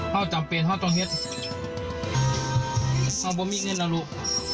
เฮ้าจำเป็นเฮ้าต้องเห็นเฮ้าบ้างไม่เงินล่ะลูก